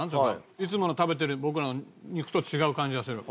いつも食べてる肉とは違う感じがする。